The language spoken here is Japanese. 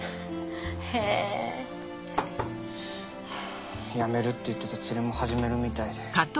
ハァやめるって言ってた釣りも始めるみたいで。